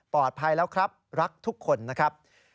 ภัยแล้วครับรักทุกคนนะครับ